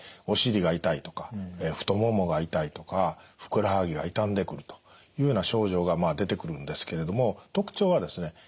お尻が痛いとか太ももが痛いとかふくらはぎが痛んでくるというような症状が出てくるんですけれども特徴はですね